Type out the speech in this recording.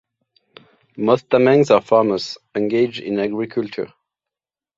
Most Tamangs are farmers, engaged in agriculture.